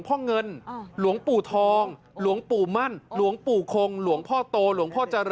โอ้โหไม่น่าล่ะ